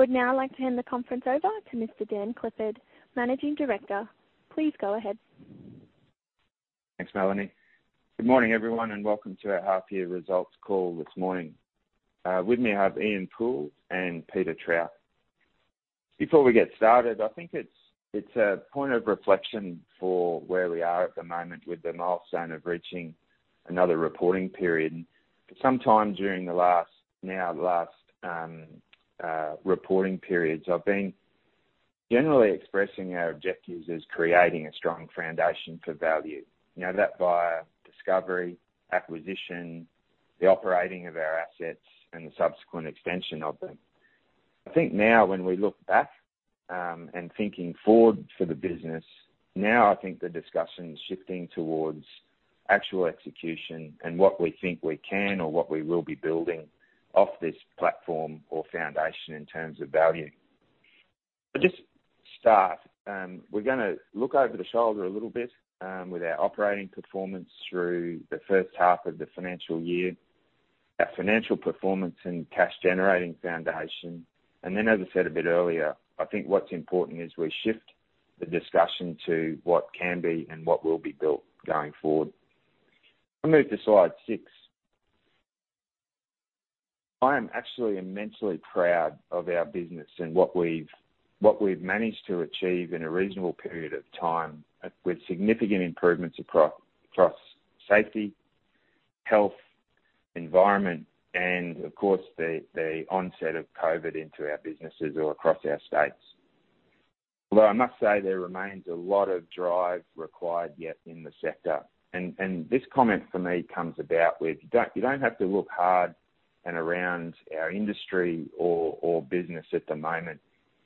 I would now like to hand the conference over to Mr. Dan Clifford, Managing Director. Please go ahead. Thanks, Melanie. Good morning, everyone, and welcome to our half year results call this morning. With me, I have Ian Poole and Peter Trout. Before we get started, I think it's a point of reflection for where we are at the moment with the milestone of reaching another reporting period. Sometime during the last reporting periods, I've been generally expressing our objectives as creating a strong foundation for value. You know, that via discovery, acquisition, the operating of our assets, and the subsequent extension of them. I think now when we look back and thinking forward for the business, now I think the discussion is shifting towards actual execution and what we think we can or what we will be building off this platform or foundation in terms of value. I'll just start, we're gonna look over the shoulder a little bit, with our operating performance through the first half of the financial year. Our financial performance and cash generating foundation. As I said a bit earlier, I think what's important is we shift the discussion to what can be and what will be built going forward. I move to slide six. I am actually immensely proud of our business and what we've managed to achieve in a reasonable period of time, with significant improvements across safety, health, environment, and of course, the onset of COVID into our businesses or across our states. Although I must say there remains a lot of drive required yet in the sector. This comment for me comes about with, you don't have to look hard and around our industry or business at the moment.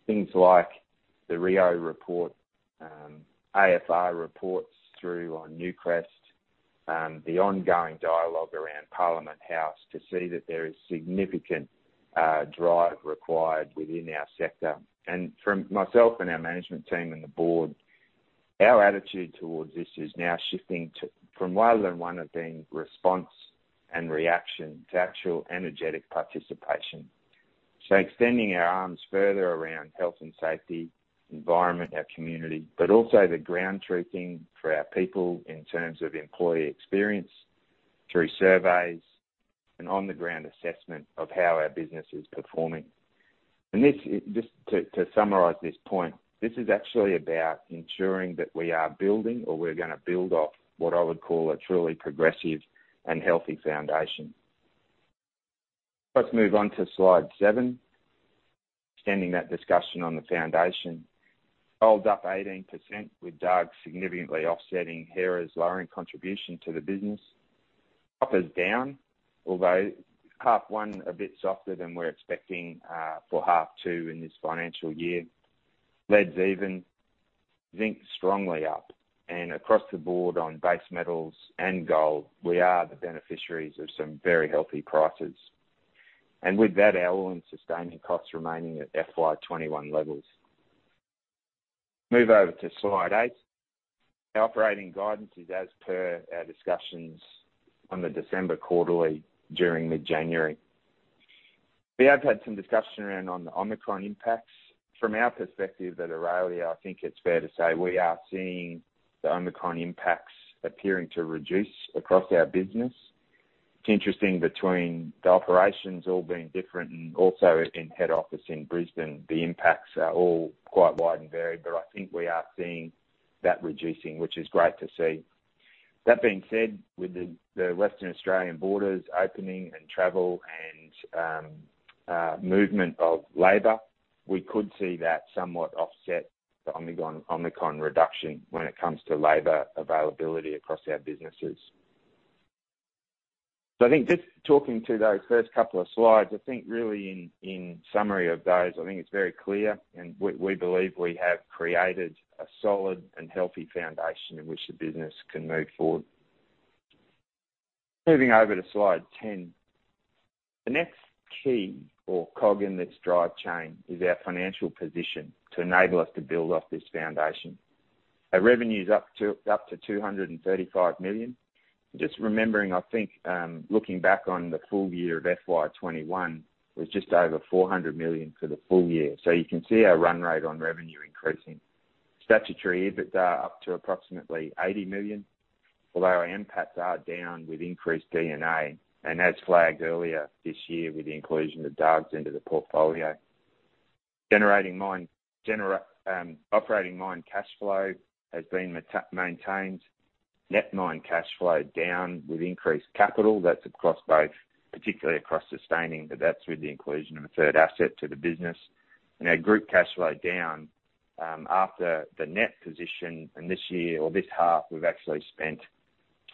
Things like the Rio report, AFR reports through on Newcrest, the ongoing dialogue around Parliament House to see that there is significant drive required within our sector. From myself and our management team and the board, our attitude towards this is now shifting to, from rather than one of being responsive and reactive to actual energetic participation. Extending our arms further around health and safety, environment, our community, but also the ground truthing for our people in terms of employee experience through surveys and on-the-ground assessment of how our business is performing. This is just to summarize this point. This is actually about ensuring that we are building or we're gonna build off what I would call a truly progressive and healthy foundation. Let's move on to slide seven, extending that discussion on the foundation. Gold up 18% with Dargues significantly offsetting Hera's lowering contribution to the business. Copper's down, although half one a bit softer than we're expecting for half two in this financial year. Lead's even. Zinc's strongly up. Across the board on base metals and gold, we are the beneficiaries of some very healthy prices. With that, our All-in Sustaining Costs remaining at FY 2021 levels. Move over to slide eight. Our operating guidance is as per our discussions on the December quarterly during mid-January. We have had some discussion around the Omicron impacts. From our perspective at Aurelia, I think it's fair to say we are seeing the Omicron impacts appearing to reduce across our business. It's interesting between the operations all being different and also in head office in Brisbane, the impacts are all quite wide and varied, but I think we are seeing that reducing, which is great to see. That being said, with the Western Australian borders opening and travel and movement of labor, we could see that somewhat offset the Omicron reduction when it comes to labor availability across our businesses. I think just talking to those first couple of slides, I think really in summary of those, I think it's very clear and we believe we have created a solid and healthy foundation in which the business can move forward. Moving over to slide 10. The next key or cog in this drive chain is our financial position to enable us to build off this foundation. Our revenue's up to 235 million. Just remembering, I think, looking back on the full year of FY 2021 was just over 400 million for the full year. So you can see our run rate on revenue increasing. Statutory EBITDA up to approximately 80 million, although our NPATs are down with increased D&A, and as flagged earlier this year with the inclusion of Dargues into the portfolio. Operating mine cash flow has been maintained. Net mine cash flow down with increased capital. That's across both, particularly across sustaining, but that's with the inclusion of a third asset to the business. Our group cash flow down after the net position. This year or this half, we've actually spent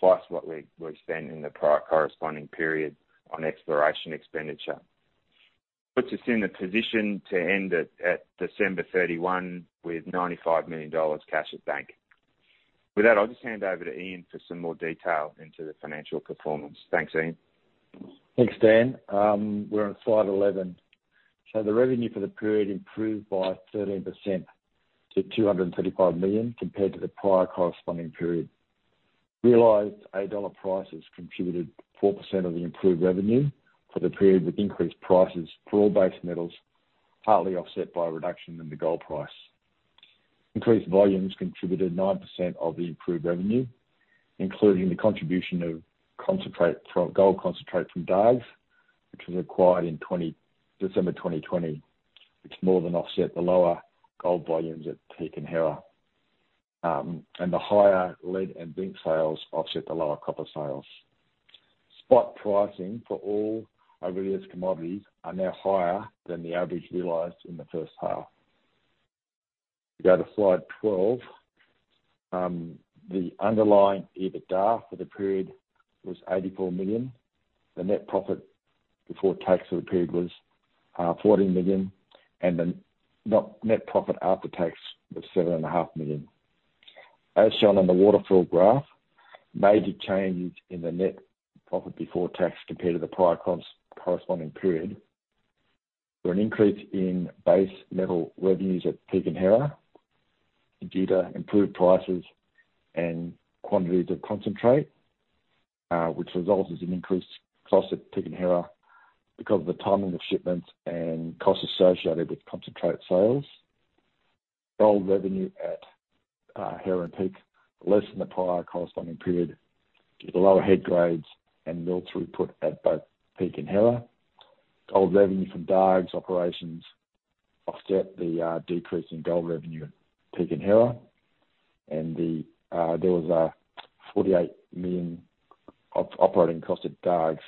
twice what we spent in the prior corresponding period on exploration expenditure. Puts us in a position to end at December 31 with 95 million dollars cash at bank. With that, I'll just hand over to Ian for some more detail into the financial performance. Thanks, Ian. Thanks, Dan. We're on slide 11. The revenue for the period improved by 13% to 235 million compared to the prior corresponding period. Realized higher prices contributed 4% of the improved revenue for the period, with increased prices for all base metals, partly offset by a reduction in the gold price. Increased volumes contributed 9% of the improved revenue, including the contribution of gold concentrate from Dargues, which was acquired in December 2020, which more than offset the lower gold volumes at Peak and Hera, and the higher lead and zinc sales offset the lower copper sales. Spot prices for all Aurelia's commodities are now higher than the average realized in the first half. Go to slide 12. The underlying EBITDA for the period was 84 million. The net profit before tax for the period was 14 million, and the net profit after tax was 7.5 million. As shown on the waterfall graph, major change in the net profit before tax compared to the prior corresponding period were an increase in base metal revenues at Peak and Hera due to improved prices and quantities of concentrate, which resulted in increased costs at Peak and Hera because of the timing of shipments and costs associated with concentrate sales. Gold revenue at Hera and Peak less than the prior corresponding period, with lower head grades and mill throughput at both Peak and Hera. Gold revenue from Dargues operations offset the decrease in gold revenue at Peak and Hera. There was 48 million of operating cost at Dargues,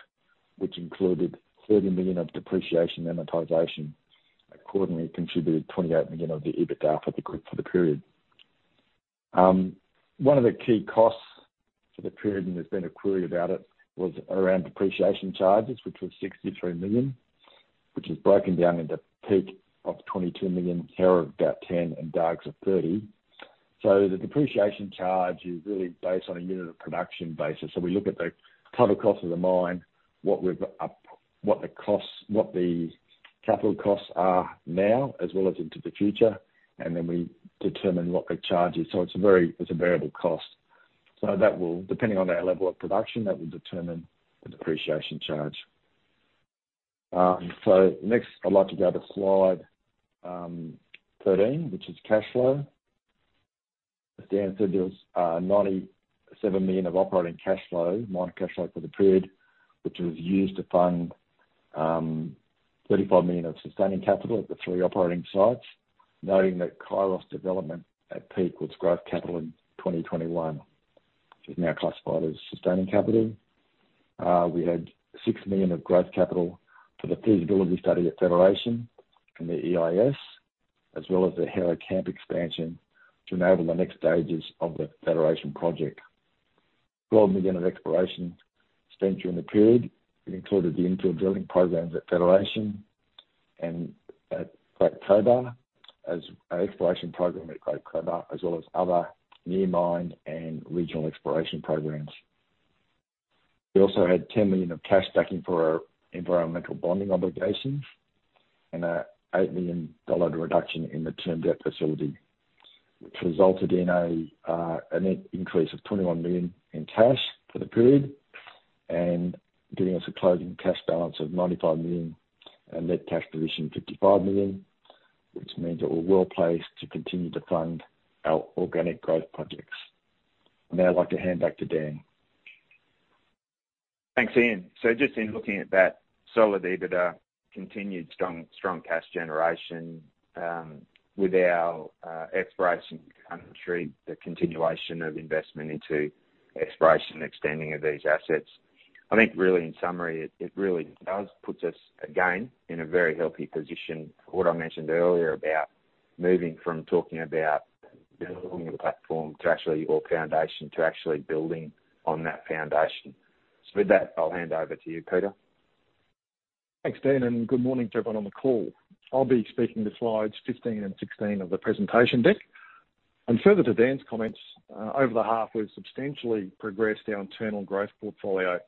which included 30 million of depreciation and amortization and accordingly contributed 28 million of the EBITDA for the group for the period. One of the key costs for the period, and there's been a query about it, was around depreciation charges, which was 63 million, which is broken down into Peak of 22 million, Hera of about 10 million, and Dargues of 30 million. The depreciation charge is really based on a unit of production basis. We look at the total cost of the mine, what we've got up, what the costs, what the capital costs are now as well as into the future, and then we determine what the charge is. It's a variable cost. That will, depending on our level of production, determine the depreciation charge. Next, I'd like to go to slide 13, which is cash flow. As Dan said, there was 97 million of operating cash flow, mine cash flow for the period, which was used to fund 35 million of sustaining capital at the three operating sites. Noting that Kairos development at Peak was growth capital in 2021, which is now classified as sustaining capital. We had 6 million of growth capital for the feasibility study at Federation and the EIS, as well as the Hera camp expansion to enable the next stages of the Federation project. 12 million of exploration spend during the period. It included the infill drilling programs at Federation and at Great Cobar, as well as our exploration program at Great Cobar, as well as other near mine and regional exploration programs. We also had 10 million of cash backing for our environmental bonding obligations and an 8 million dollar reduction in the term debt facility, which resulted in a net increase of 21 million in cash for the period, and giving us a closing cash balance of 95 million and net cash position 55 million, which means that we're well-placed to continue to fund our organic growth projects. Now I'd like to hand back to Dan. Thanks, Ian. Just in looking at that solid EBITDA, continued strong cash generation with our exploration activity, the continuation of investment into exploration and extending of these assets. I think really in summary, it really does puts us again in a very healthy position. What I mentioned earlier about moving from talking about building a platform to actually building on that foundation. With that, I'll hand over to you, Peter. Thanks, Dan, and good morning to everyone on the call. I'll be speaking to slides 15 and 16 of the presentation deck. Further to Dan's comments, over the half, we've substantially progressed our internal growth portfolio,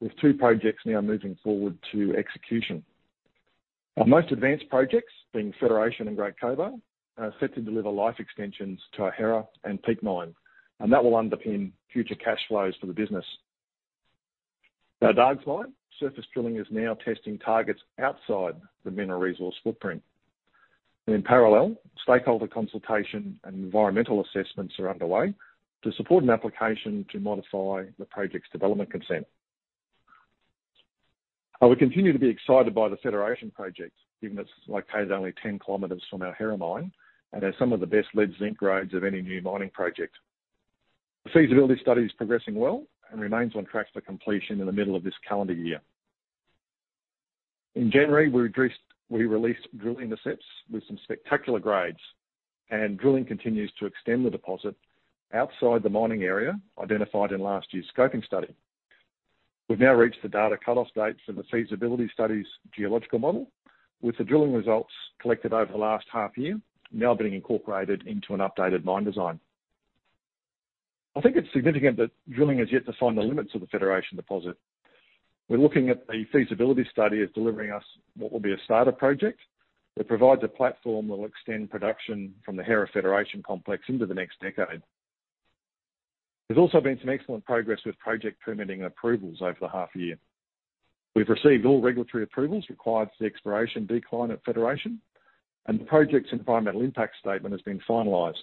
with two projects now moving forward to execution. Our most advanced projects, being Federation and Great Cobar, are set to deliver life extensions to our Hera and Peak Mine, and that will underpin future cash flows for the business. At Dargues Mine, surface drilling is now testing targets outside the mineral resource footprint. In parallel, stakeholder consultation and environmental assessments are underway to support an application to modify the project's development consent. We continue to be excited by the Federation project, given it's located only 10 km from our Hera mine and has some of the best lead zinc grades of any new mining project. The feasibility study is progressing well and remains on track for completion in the middle of this calendar year. In January, we released drilling intercepts with some spectacular grades, and drilling continues to extend the deposit outside the mining area identified in last year's scoping study. We've now reached the data cut-off dates for the feasibility study's geological model, with the drilling results collected over the last half year now being incorporated into an updated mine design. I think it's significant that drilling has yet to find the limits of the Federation deposit. We're looking at the feasibility study as delivering us what will be a starter project that provides a platform that will extend production from the Hera Federation complex into the next decade. There's also been some excellent progress with project permitting and approvals over the half year. We've received all regulatory approvals required for the exploration decline at Federation, and the project's environmental impact statement has been finalized.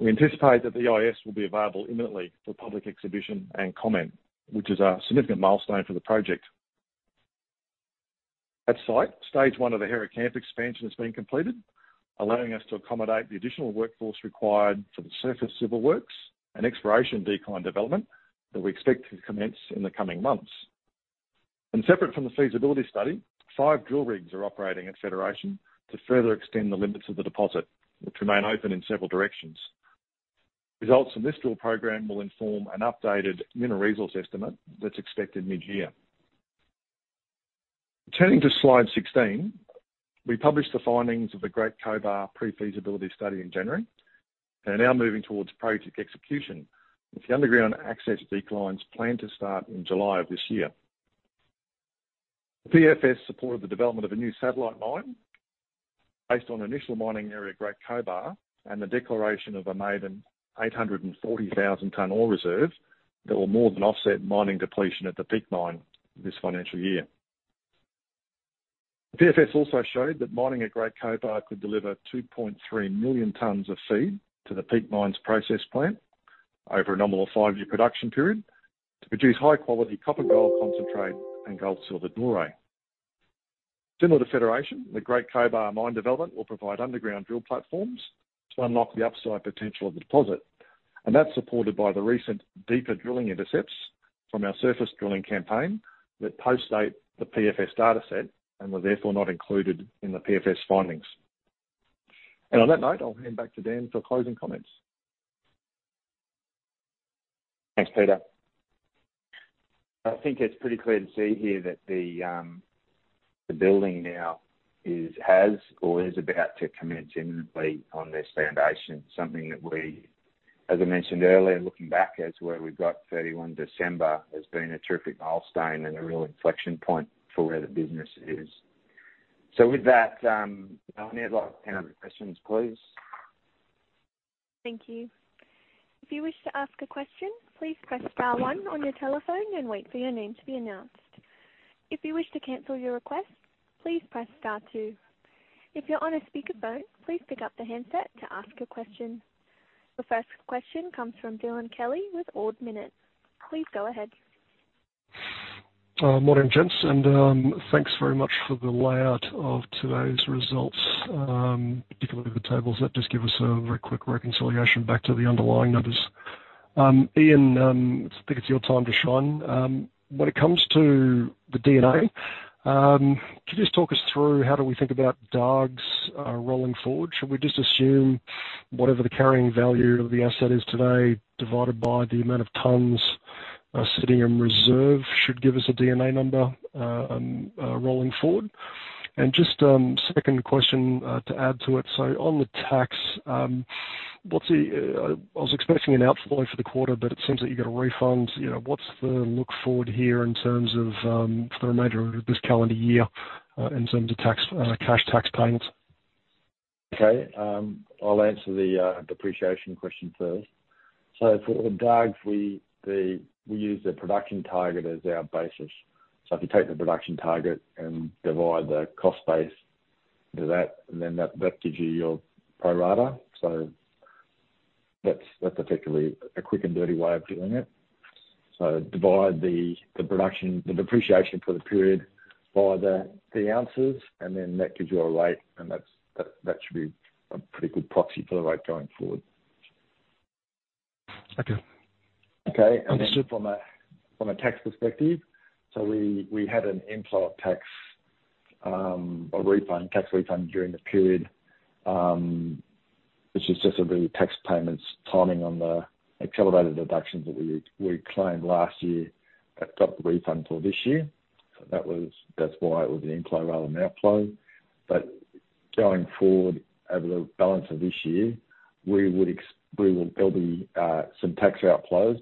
We anticipate that the EIS will be available imminently for public exhibition and comment, which is a significant milestone for the project. At site, stage one of the Hera camp expansion has been completed, allowing us to accommodate the additional workforce required for the surface civil works and exploration decline development that we expect to commence in the coming months. Separate from the feasibility study, five drill rigs are operating at Federation to further extend the limits of the deposit, which remain open in several directions. Results from this drill program will inform an updated mineral resource estimate that's expected mid-year. Turning to slide 16, we published the findings of the Great Cobar pre-feasibility study in January and are now moving towards project execution, with the underground access declines planned to start in July of this year. The PFS supported the development of a new satellite mine based on initial mining area at Great Cobar and the declaration of a maiden 840,000 ton ore reserve that will more than offset mining depletion at the Peak Mine this financial year. The PFS also showed that mining at Great Cobar could deliver 2.3 million tons of feed to the Peak Mine's process plant over a normal five-year production period to produce high-quality copper gold concentrate and gold silver doré. Similar to Federation, the Great Cobar mine development will provide underground drill platforms to unlock the upside potential of the deposit, and that's supported by the recent deeper drilling intercepts from our surface drilling campaign that post-date the PFS dataset and were therefore not included in the PFS findings. On that note, I'll hand back to Dan for closing comments. Thanks, Peter. I think it's pretty clear to see here that the building now is, has or is about to commence genuinely on this foundation, something that we, as I mentioned earlier, looking back as where we got 31 December, has been a terrific milestone and a real inflection point for where the business is. With that, I'll now take questions, please. Thank you. If you wish to ask a question, please press star one on your telephone and wait for your name to be announced. If you wish to cancel your request, please press star two. If you're on a speaker phone, please pick up the handset to ask a question. The first question comes from Dylan Kelly with Ord Minnett. Please go ahead. Morning, gents, and thanks very much for the layout of today's results, particularly the tables that just give us a very quick reconciliation back to the underlying numbers. Ian, I think it's your time to shine. When it comes to the D&A, could you just talk us through how we think about Dargues rolling forward? Should we just assume whatever the carrying value of the asset is today, divided by the amount of tons sitting in reserve, should give us a D&A number rolling forward? Second question, to add to it. On the tax, what's the, I was expecting an outflow for the quarter, but it seems that you get a refund. You know, what's the look forward here in terms of, for the remainder of this calendar year, in terms of tax, cash tax payments? Okay. I'll answer the depreciation question first. For the Dargues, we use the production target as our basis. If you take the production target and divide the cost base by that, and then that gives you your pro rata. That's effectively a quick and dirty way of doing it. Divide the depreciation for the period by the ounces, and then that gives you a rate, and that should be a pretty good proxy for the rate going forward. Okay. Okay. Understood. From a tax perspective, we had an inflow of tax or refund, tax refund during the period, which is just the real tax payments timing on the accelerated deductions that we claimed last year that got the refund this year. That was why it was an inflow rather than outflow. Going forward, over the balance of this year, there'll be some tax outflows,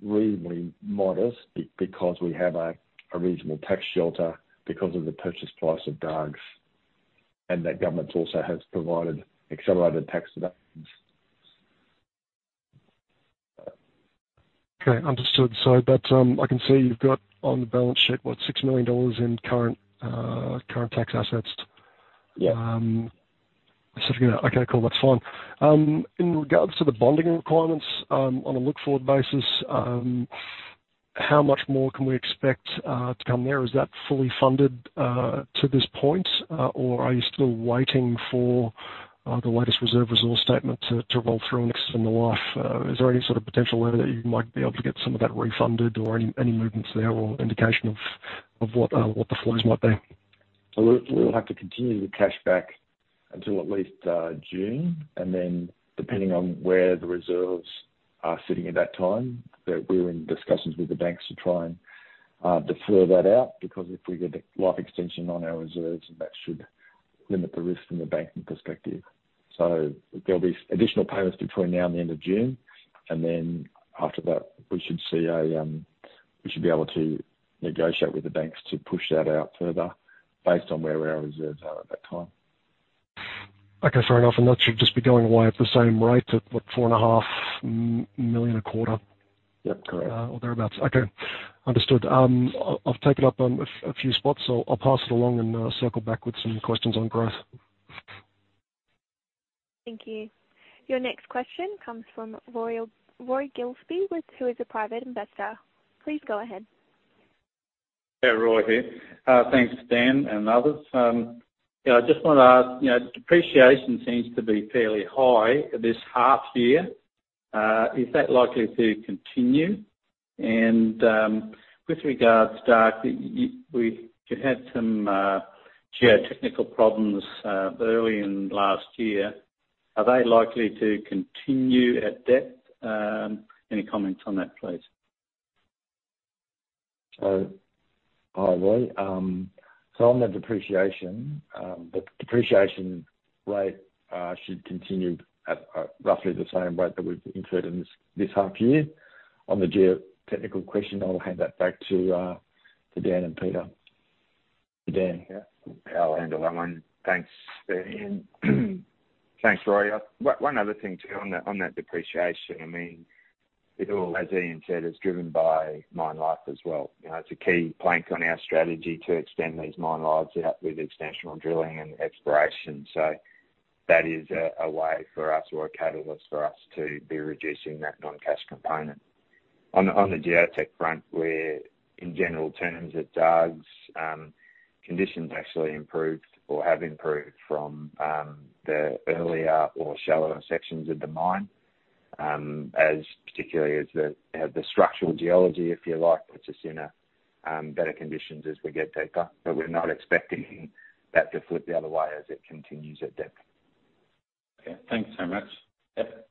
but reasonably modest because we have a reasonable tax shelter because of the purchase price of Dargues. The government also has provided accelerated tax deductions. Okay, understood. I can see you've got on the balance sheet what 6 million dollars in current tax assets. Yeah. Okay, cool. That's fine. In regards to the bonding requirements, on a look-forward basis, how much more can we expect to come there? Is that fully funded to this point, or are you still waiting for the latest reserve resource statement to roll through and extend the life? Is there any sort of potential there that you might be able to get some of that refunded or any movements there or indication of what the flows might be? We'll have to continue with cash back until at least June. Then depending on where the reserves are sitting at that time, that we're in discussions with the banks to try and defer that out, because if we get life extension on our reserves, that should Limit the risk from the banking perspective. There'll be additional payments between now and the end of June. After that, we should be able to negotiate with the banks to push that out further based on where our reserves are at that time. Okay, fair enough. That should just be going away at the same rate at what, 4.5 million a quarter? Yep, correct. Thereabouts. Okay, understood. I've taken up a few spots. I'll pass it along and circle back with some questions on growth. Thank you. Your next question comes from Roy Gilsing, who is a private investor. Please go ahead. Yeah, Roy here. Thanks, Dan and others. I just want to ask, you know, depreciation seems to be fairly high this half year. Is that likely to continue? With regards to Dargues, we had some geotechnical problems early in last year. Are they likely to continue at depth? Any comments on that, please? Hi, Roy. On the depreciation, the depreciation rate should continue at roughly the same rate that we've included in this half year. On the geotechnical question, I'll hand that back to Dan and Peter. To Dan, yeah. I'll handle that one. Thanks, Ian. Thanks, Roy. One other thing too, on that depreciation, I mean, it all, as Ian said, is driven by mine life as well. You know, it's a key plank on our strategy to extend these mine lives out with extension drilling and exploration. So that is a way for us or a catalyst for us to be reducing that non-cash component. On the geotech front, we're in general terms at Dargues, conditions actually improved or have improved from the earlier or shallower sections of the mine, as particularly as the structural geology, if you like, puts us in a better conditions as we get deeper. But we're not expecting that to flip the other way as it continues at depth. Okay. Thanks so much. Yep.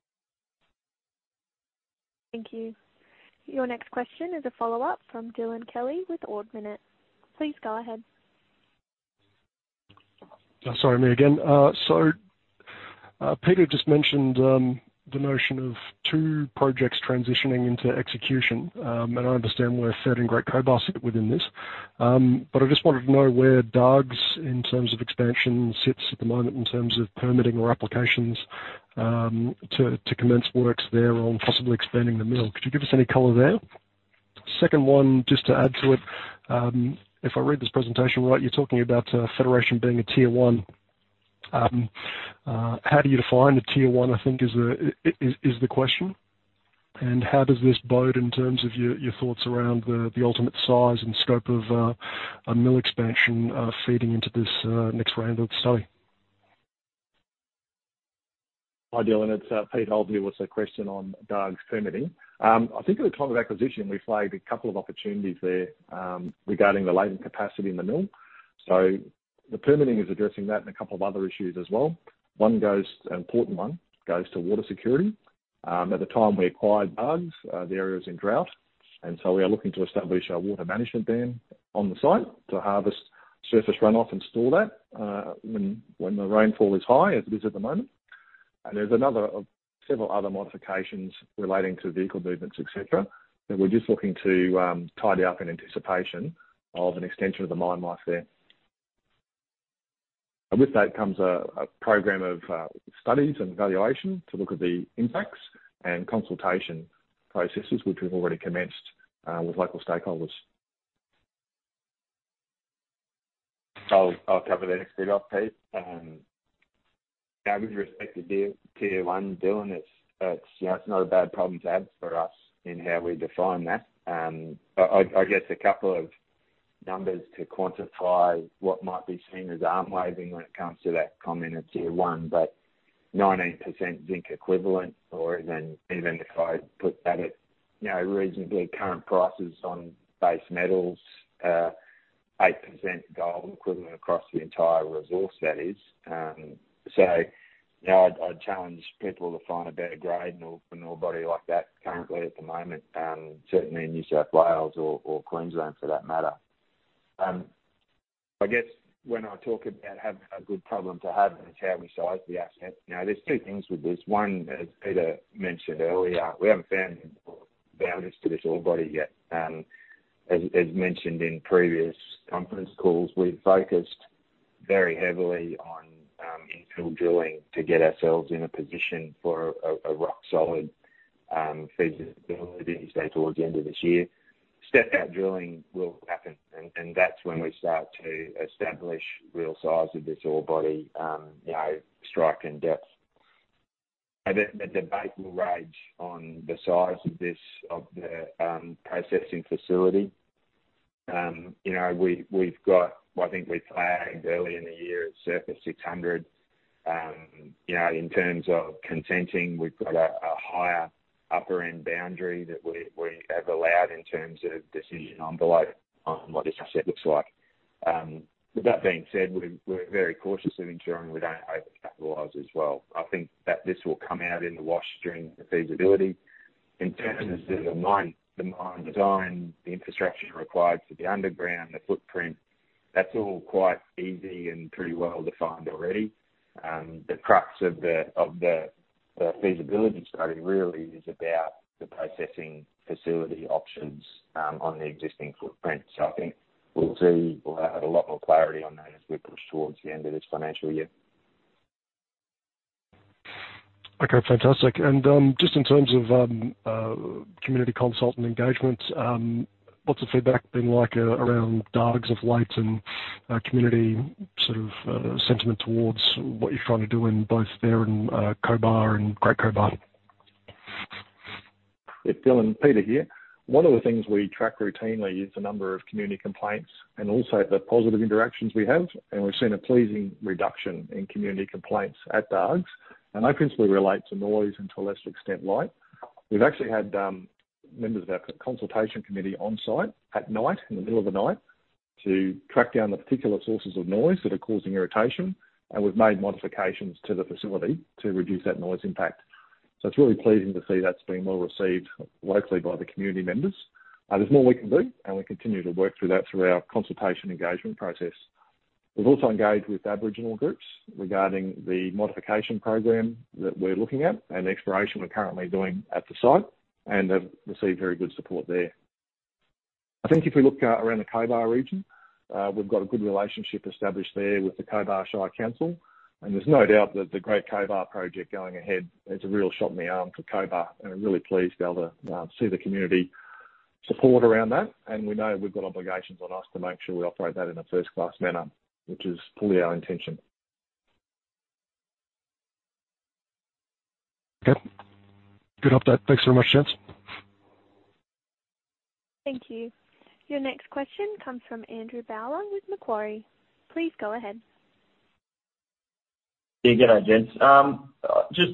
Thank you. Your next question is a follow-up from Dylan Kelly with Ord Minnett. Please go ahead. Sorry, me again. Peter just mentioned the notion of two projects transitioning into execution. I understand where Federation and Great Cobar sit within this. I just wanted to know where Dargues, in terms of expansion, sits at the moment in terms of permitting or applications to commence works there on possibly expanding the mill. Could you give us any color there? Second one, just to add to it, if I read this presentation right, you're talking about Federation being a Tier 1. How do you define a Tier 1? I think is the question. How does this bode in terms of your thoughts around the ultimate size and scope of a mill expansion feeding into this next round of study? Hi, Dylan. It's Peter here with a question on Dargues' permitting. I think at the time of acquisition, we flagged a couple of opportunities there regarding the latent capacity in the mill. The permitting is addressing that and a couple of other issues as well. One, an important one, goes to water security. At the time we acquired Dargues, the area was in drought, and so we are looking to establish a water management dam on the site to harvest surface runoff and store that when the rainfall is high, as it is at the moment. There's another several other modifications relating to vehicle movements, et cetera, that we're just looking to tidy up in anticipation of an extension of the mine life there. With that comes a program of studies and evaluation to look at the impacts and consultation processes which we've already commenced with local stakeholders. I'll cover the next bit off, Pete. Yeah, with respect to Tier 1, Dylan, it's you know, it's not a bad problem to have for us in how we define that. I guess a couple of numbers to quantify what might be seen as arm waving when it comes to that comment of Tier 1. 19% Zinc Equivalent, or even if I put that at you know, reasonably current prices on base metals, 8% Gold Equivalent across the entire resource, that is. So, you know, I'd challenge people to find a better grade ore, an ore body like that currently at the moment, certainly in New South Wales or Queensland for that matter. I guess when I talk about having a good problem to have is how we size the asset. Now, there's two things with this. One, as Peter mentioned earlier, we haven't found the boundaries to this ore body yet. As mentioned in previous conference calls, we've focused very heavily on infill drilling to get ourselves in a position for a rock solid feasibility study towards the end of this year. Step out drilling will happen and that's when we start to establish real size of this ore body, you know, strike and depth. The debate will rage on the size of this, of the processing facility. You know, we've got, I think we flagged early in the year at surface 600, you know, in terms of consenting, we've got a higher upper end boundary that we have allowed in terms of decision envelope on what this asset looks like. With that being said, we're very cautious of ensuring we don't over-capitalise as well. I think that this will come out in the wash during the feasibility. In terms of the mine, the mine design, the infrastructure required for the underground, the footprint, that's all quite easy and pretty well-defined already. The crux of the feasibility study really is about the processing facility options on the existing footprint. I think we'll see or have a lot more clarity on that as we push towards the end of this financial year. Okay, fantastic. Just in terms of community consultation and engagement, what's the feedback been like around Dargues of late and community sort of sentiment towards what you're trying to do in both there and Cobar and Great Cobar? Yeah, Dylan, Peter here. One of the things we track routinely is the number of community complaints and also the positive interactions we have, and we've seen a pleasing reduction in community complaints at Dargues. They principally relate to noise and to a lesser extent, light. We've actually had members of our consultation committee on site at night, in the middle of the night, to track down the particular sources of noise that are causing irritation. We've made modifications to the facility to reduce that noise impact. It's really pleasing to see that's been well received locally by the community members. There's more we can do, and we continue to work through that through our consultation engagement process. We've also engaged with aboriginal groups regarding the modification program that we're looking at and the exploration we're currently doing at the site, and have received very good support there. I think if we look out around the Cobar region, we've got a good relationship established there with the Cobar Shire Council, and there's no doubt that the Great Cobar project going ahead is a real shot in the arm for Cobar, and I'm really pleased to be able to see the community support around that. We know we've got obligations on us to make sure we operate that in a first-class manner, which is fully our intention. Okay. Good update. Thanks very much, gents. Thank you. Your next question comes from Andrew Bowler with Macquarie. Please go ahead. Yeah, good day, gents. Just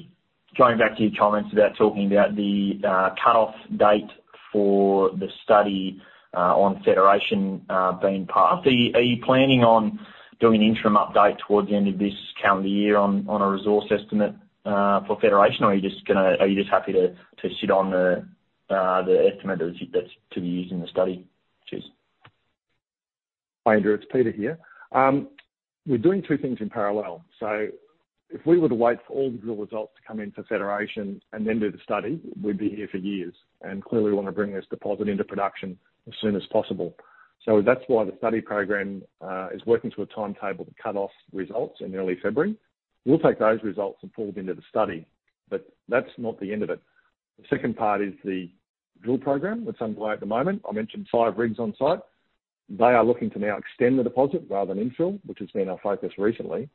going back to your comments about talking about the cutoff date for the study on Federation being passed, are you planning on doing an interim update towards the end of this calendar year on a resource estimate for Federation? Or are you just happy to sit on the estimate that's to be used in the study? Cheers. Hi, Andrew, it's Peter here. We're doing two things in parallel. If we were to wait for all the drill results to come in for Federation and then do the study, we'd be here for years. Clearly, we wanna bring this deposit into production as soon as possible. That's why the study program is working to a timetable to cut off results in early February. We'll take those results and pull them into the study. That's not the end of it. The second part is the drill program that's underway at the moment. I mentioned 5 rigs on site. They are looking to now extend the deposit rather than infill, which has been our focus recently.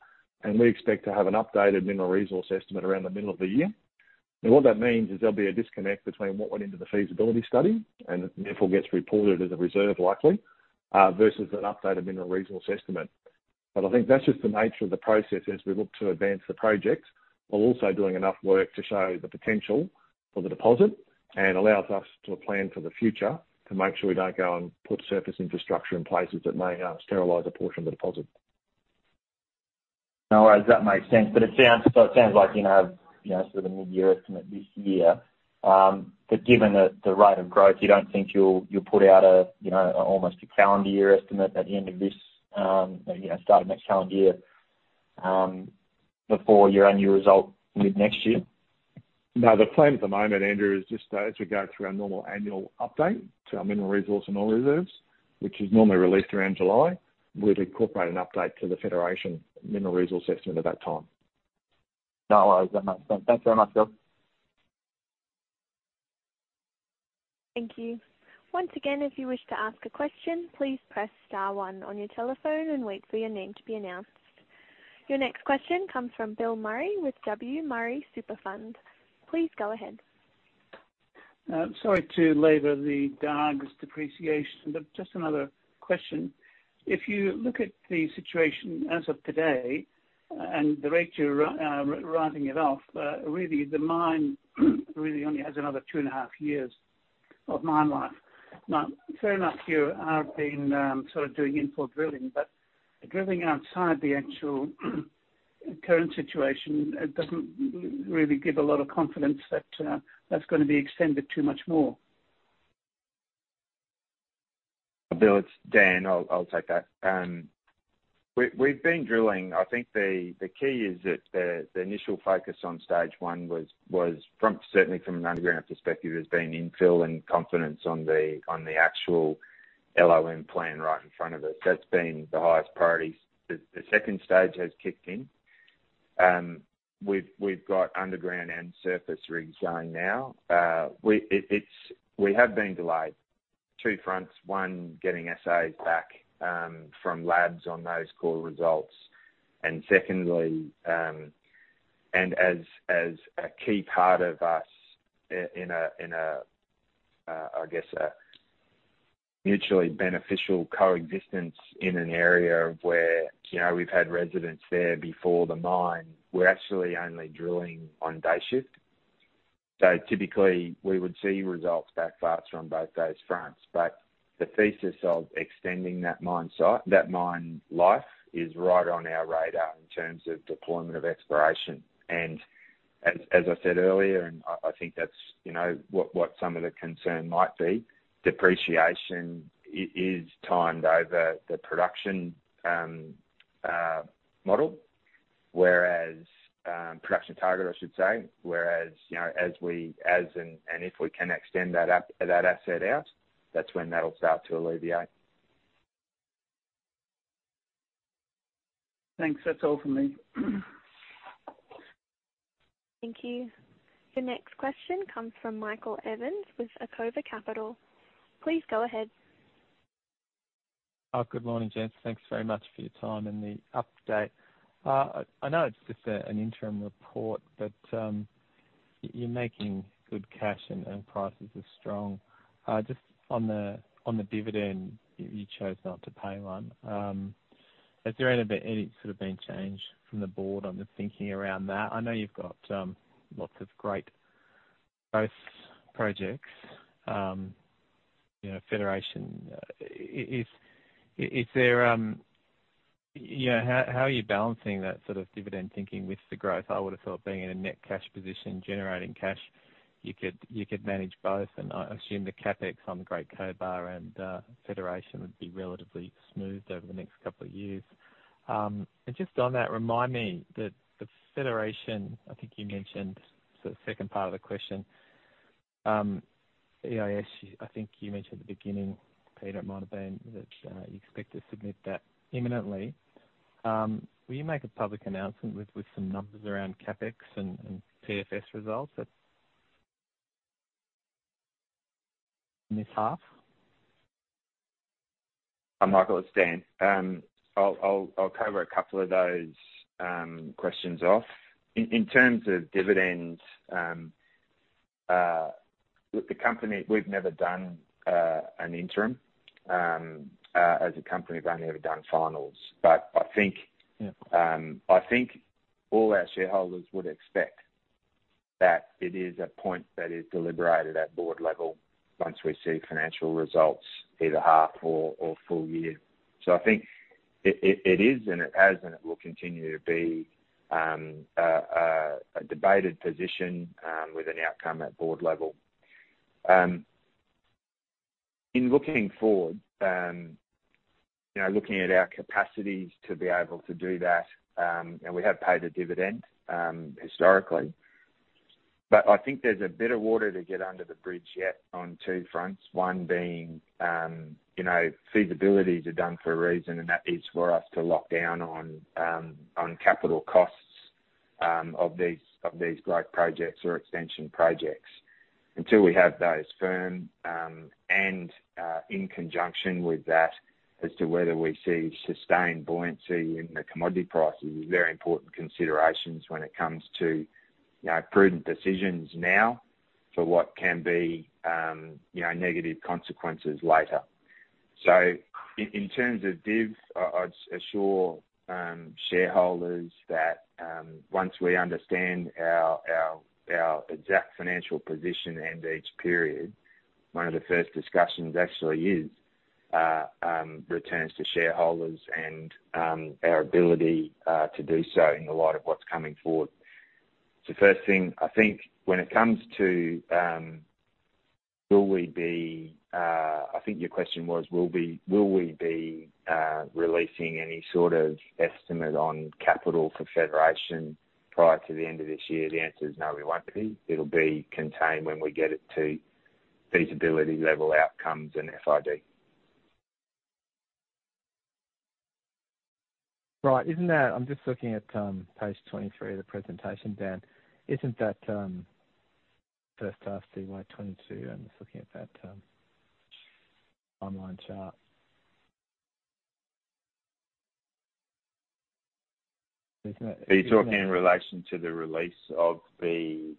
We expect to have an updated mineral resource estimate around the middle of the year. Now, what that means is there'll be a disconnect between what went into the feasibility study and therefore gets reported as a reserve likely versus an updated mineral resource estimate. I think that's just the nature of the process as we look to advance the projects while also doing enough work to show the potential for the deposit and allows us to plan for the future to make sure we don't go and put surface infrastructure in places that may sterilize a portion of the deposit. No worries. That makes sense. It sounds like, you know, sort of a mid-year estimate this year. Given the rate of growth, you don't think you'll put out a, you know, almost a calendar year estimate at the end of this, you know, start of next calendar year, before your annual result mid next year? No. The plan at the moment, Andrew, is just as we go through our normal annual update to our mineral resource and all reserves, which is normally released around July, we'd incorporate an update to the Federation mineral resource estimate at that time. No worries. That makes sense. Thanks very much, guys. Thank you. Once again, if you wish to ask a question, please press star one on your telephone and wait for your name to be announced. Your next question comes from Bill Murray with W. Murray Super Fund. Please go ahead. Sorry to labor the Dargues depreciation, but just another question. If you look at the situation as of today and the rate you're writing it off, really the mine only has another two and a half years of mine life. Now, fair enough, you have been sort of doing infill drilling, but the drilling outside the actual current situation, it doesn't really give a lot of confidence that that's gonna be extended too much more. Bill, it's Dan. I'll take that. We've been drilling. I think the key is that the initial focus on stage one was from certainly from an underground perspective infill and confidence on the actual LOM plan right in front of us. That's been the highest priority. The second stage has kicked in. We've got underground and surface rigs going now. We have been delayed on two fronts. One, getting assays back from labs on those core results. Secondly, as a key part of us in a mutually beneficial coexistence in an area where, you know, we've had residents there before the mine, we're actually only drilling on day shift. Typically, we would see results back faster on both those fronts. The thesis of extending that mine site, that mine life is right on our radar in terms of deployment of exploration. As I said earlier, I think that's, you know, what some of the concern might be. Depreciation is timed over the production model, whereas production target, I should say, you know, and if we can extend that asset out, that's when that'll start to alleviate. Thanks. That's all for me. Thank you. The next question comes from Michael Evans with Acova Capital. Please go ahead. Good morning, gents. Thanks very much for your time and the update. I know it's just an interim report, but you're making good cash and prices are strong. Just on the dividend, you chose not to pay one. Has there been any sort of change from the board on the thinking around that? I know you've got lots of great projects, you know, Federation. Is there... You know, how are you balancing that sort of dividend thinking with the growth? I would have thought being in a net cash position, generating cash, you could manage both. I assume the CapEx on Great Cobar and Federation would be relatively smooth over the next couple of years. Just on that, remind me that the Federation, I think you mentioned, the second part of the question, EIS, I think you mentioned at the beginning, Peter, it might have been, you expect to submit that imminently. Will you make a public announcement with some numbers around CapEx and PFS results at this half? Hi, Michael, it's Dan. I'll cover a couple of those questions off. In terms of dividends, the company, we've never done an interim, as a company, we've only ever done finals. I think- Yeah. I think all our shareholders would expect that it is a point that is deliberated at board level once we see financial results either half or full year. I think it is, and it has, and it will continue to be, a debated position with an outcome at board level. In looking forward, you know, looking at our capacities to be able to do that, and we have paid a dividend historically. I think there's a bit of water to get under the bridge yet on two fronts. One being, you know, feasibilities are done for a reason, and that is for us to lock down on capital costs of these growth projects or extension projects. Until we have those firm and in conjunction with that as to whether we see sustained buoyancy in the commodity prices are very important considerations when it comes to, you know, prudent decisions now for what can be, you know, negative consequences later. In terms of dividends, I'd assure shareholders that once we understand our exact financial position at the end of each period, one of the first discussions actually is returns to shareholders and our ability to do so in the light of what's coming forward. The first thing, I think when it comes to will we be releasing any sort of estimate on capital for Federation prior to the end of this year. I think your question was, will we be releasing any sort of estimate on capital for Federation prior to the end of this year. The answer is no, we won't be. It'll be contained when we get it to feasibility level outcomes and FID. Right. I'm just looking at page 23 of the presentation, Dan. Isn't that first half CY 2022? I'm just looking at that online chart. Is that- Are you talking in relation to the release of the...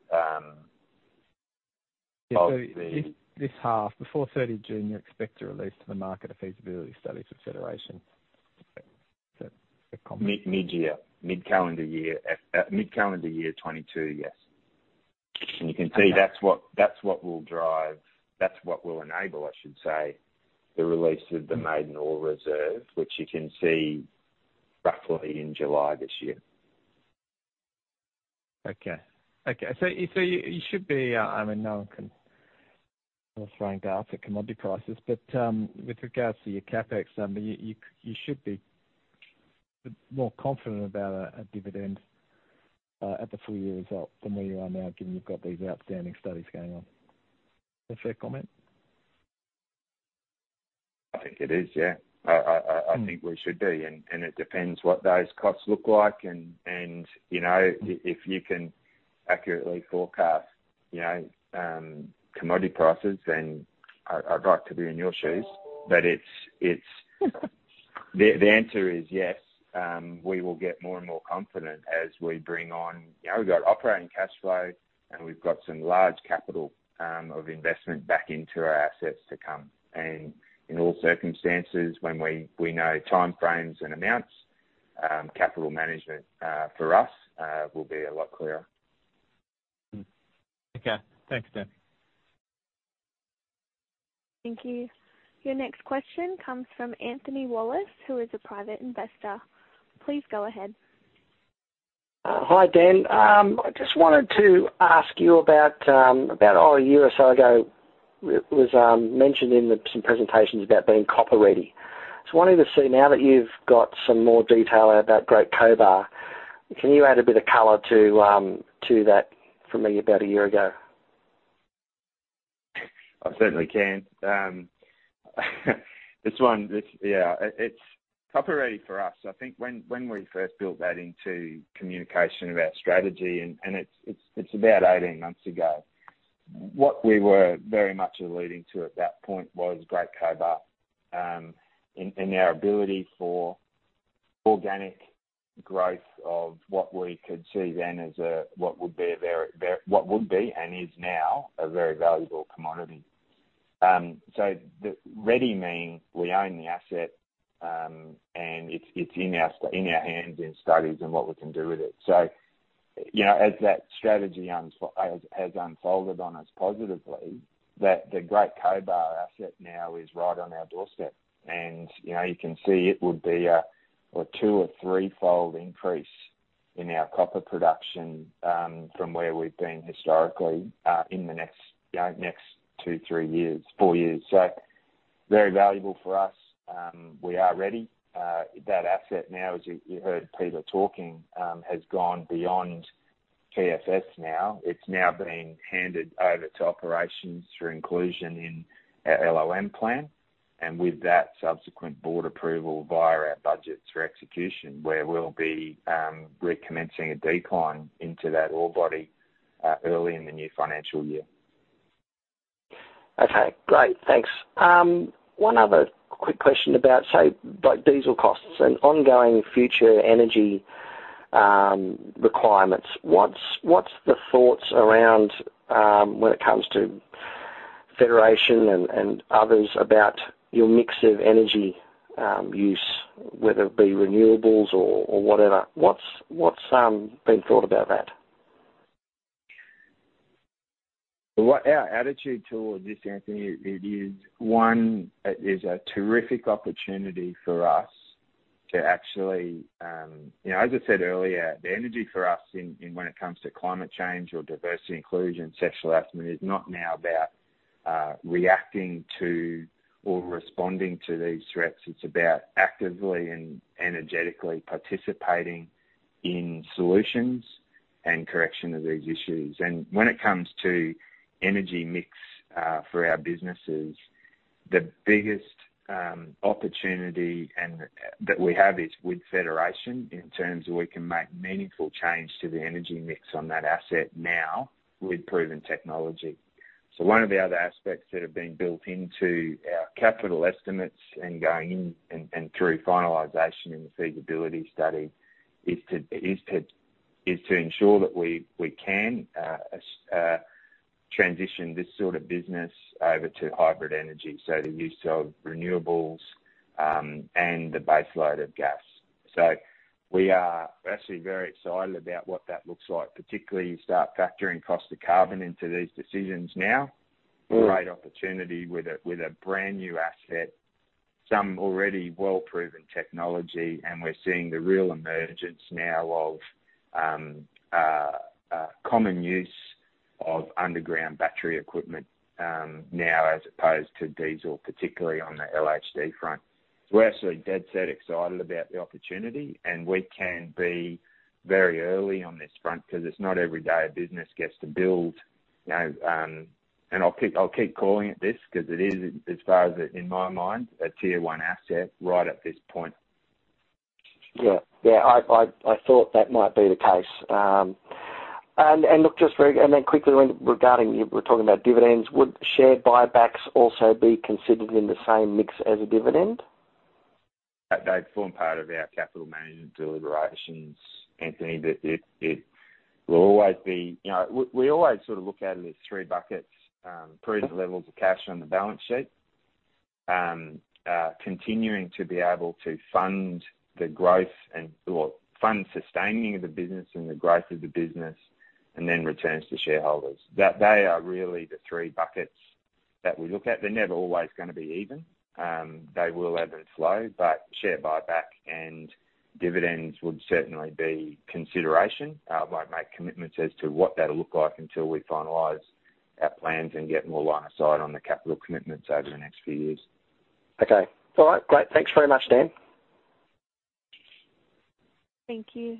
...this half. Before 30 June, you expect to release to the market a feasibility study for Federation. Is that correct? Mid-year. Mid-calendar year. At mid-calendar year 2022, yes. You can see that's what will enable, I should say, the release of the maiden ore reserve, which you can see roughly in July this year. Okay. You should be, I mean, no one can throw a dart at commodity prices, but with regards to your CapEx number, you should be more confident about a dividend at the full year result than where you are now, given you've got these outstanding studies going on. Is that a fair comment? I think it is, yeah. I think we should be. It depends what those costs look like and you know, if you can accurately forecast you know, commodity prices, then I'd like to be in your shoes. But the answer is yes, we will get more and more confident as we bring on. You know, we got operating cash flow and we've got some large capital of investment back into our assets to come. In all circumstances, when we know time frames and amounts, capital management for us will be a lot clearer. Okay. Thanks, Dan. Thank you. Your next question comes from Anthony Wallace, who is a private investor. Please go ahead. Hi, Dan. I just wanted to ask you about a year or so ago, it was mentioned in some presentations about being copper ready. I was wanting to see now that you've got some more detail about Great Cobar, can you add a bit of color to that for me about a year ago? I certainly can. Yeah. It's copper ready for us. I think when we first built that into communication of our strategy and it's about 18 months ago. What we were very much alluding to at that point was Great Cobar and our ability for organic growth of what we could see then as what would be and is now a very valuable commodity. The ready means we own the asset and it's in our hands in studies and what we can do with it. You know, as that strategy has unfolded on us positively, the Great Cobar asset now is right on our doorstep. You know, you can see it would be a two- or threefold increase in our copper production from where we've been historically in the next two, three, four years. Very valuable for us. We are ready. That asset now, as you heard Peter talking, has gone beyond PFS. It's now being handed over to operations for inclusion in our LOM plan. With that subsequent board approval via our budget for execution, where we'll be recommencing a decline into that ore body early in the new financial year. Okay. Great. Thanks. One other quick question about, say, like diesel costs and ongoing future energy requirements. What's the thoughts around, when it comes to federation and others about your mix of energy use, whether it be renewables or whatever. What's being thought about that? What is our attitude towards this, Anthony? It is a terrific opportunity for us to actually, you know, as I said earlier, the energy for us in when it comes to climate change or diversity inclusion, social aspect, is not now about reacting to or responding to these threats. It's about actively and energetically participating in solutions and correction of these issues. When it comes to energy mix, for our businesses, the biggest opportunity and that we have is with federation in terms of we can make meaningful change to the energy mix on that asset now with proven technology. One of the other aspects that have been built into our capital estimates and through finalization in the feasibility study is to ensure that we can transition this sort of business over to hybrid energy, so the use of renewables, and the base load of gas. We are actually very excited about what that looks like. Particularly you start factoring cost of carbon into these decisions now. Great opportunity with a brand-new asset, some already well-proven technology, and we're seeing the real emergence now of common use of underground battery equipment now as opposed to diesel, particularly on the LHD front. We're actually dead set excited about the opportunity, and we can be very early on this front because it's not every day a business gets to build, you know, and I'll keep calling it this because it is, as far as in my mind, a Tier 1 asset right at this point. Yeah. Yeah, I thought that might be the case. Look, quickly regarding you were talking about dividends. Would share buybacks also be considered in the same mix as a dividend? They form part of our capital management deliberations, Anthony. It will always be. You know, we always sort of look at it as three buckets, previous levels of cash on the balance sheet, continuing to be able to fund the growth or fund sustaining of the business and the growth of the business, and then returns to shareholders. That they are really the three buckets that we look at. They're never always gonna be even. They will ebb and flow, but share buyback and dividends would certainly be consideration. I won't make commitments as to what that'll look like until we finalize our plans and get more line of sight on the capital commitments over the next few years. Okay. All right. Great. Thanks very much, Dan. Thank you.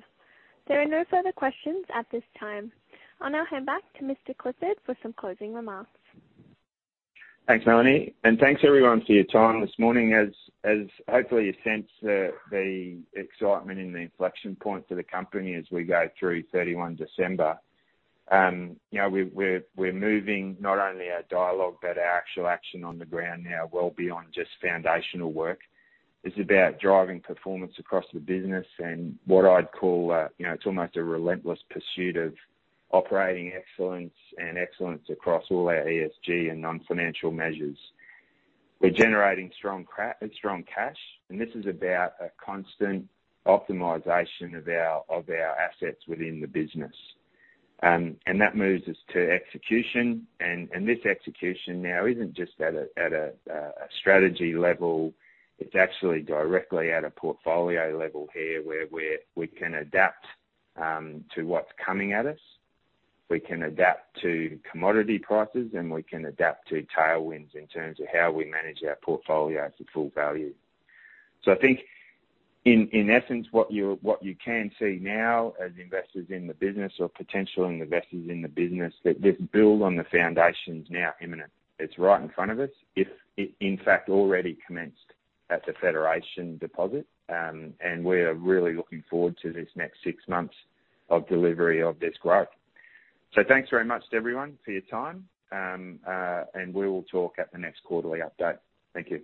There are no further questions at this time. I'll now hand back to Mr. Clifford for some closing remarks. Thanks, Melanie. Thanks everyone for your time this morning. As hopefully you sense the excitement and the inflection point for the company as we go through 31 December. You know, we're moving not only our dialogue, but our actual action on the ground now, well beyond just foundational work. It's about driving performance across the business and what I'd call, you know, it's almost a relentless pursuit of operating excellence and excellence across all our ESG and non-financial measures. We're generating strong cash, and this is about a constant optimization of our assets within the business. That moves us to execution. This execution now isn't just at a strategy level. It's actually directly at a portfolio level here where we can adapt to what's coming at us. We can adapt to commodity prices, and we can adapt to tailwinds in terms of how we manage our portfolio at full value. I think in essence, what you can see now as investors in the business or potential investors in the business, that this build on the foundation is now imminent. It's right in front of us. It's in fact already commenced at the Federation deposit. We're really looking forward to this next six months of delivery of this growth. Thanks very much to everyone for your time. We will talk at the next quarterly update. Thank you.